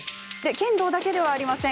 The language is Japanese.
剣道だけではありません。